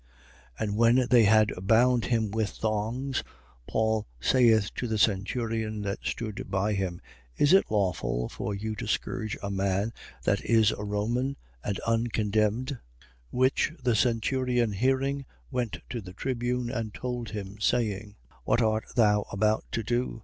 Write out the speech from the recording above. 22:25. And when they had bound him with thongs, Paul saith to the centurion that stood by him: Is it lawful for you to scourge a man that is a Roman and uncondemned? 22:26. Which the centurion hearing, went to the tribune and told him, saying: What art thou about to do?